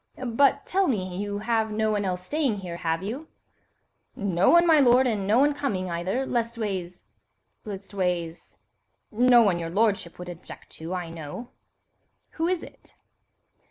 "But, tell me, you have no one else staying here, have you?" "No one, my lord, and no one coming, either, leastways—" "Leastways?" "No one your lordship would object to, I know." "Who is it?"